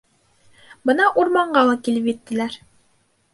Бына урманға ла килеп еттеләр.